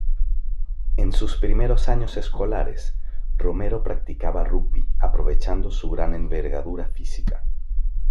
En sus primeros años escolares, Romero practicaba rugby, aprovechando su gran envergadura física.